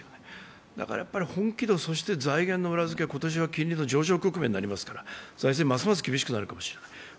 だから本気度、そして財源の裏付け金利の上昇革命になりますから財政はますますきびしくなるかもしれない。